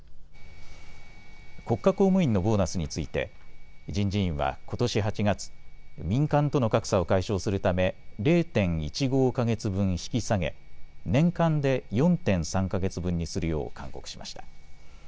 国家公務員のボーナスについて人事院はことし８月、民間との格差を解消するため０．１５か月分引き下げ、年間で４．３か月分にするよう勧告しました。